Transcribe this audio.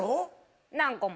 何個も。